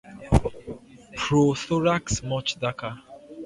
Prothorax much darker.